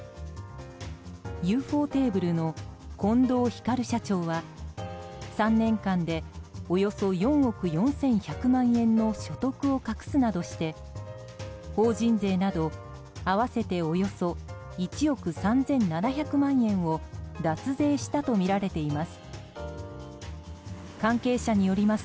ユーフォーテーブルの近藤光社長は３年間でおよそ４億４１００万円の所得を隠すなどして法人税など、合わせておよそ１億３７００万円を脱税したとみられています。